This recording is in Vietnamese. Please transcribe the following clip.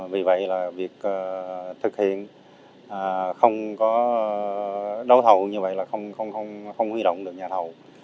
vì vậy là việc thực hiện đấu thầu như vậy là không huy động được nhà thầu